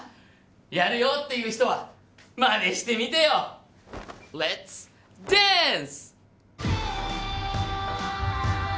やるよっていう人はマネしてみてよレッツダーンス！